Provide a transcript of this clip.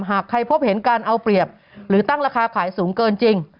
หากใครพบเห็นการเอาเปรียบหรือตั้งราคาขายสูงเกินจริง